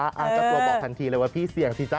เจ้าตัวบอกทันทีเลยว่าพี่เสี่ยงสิจ๊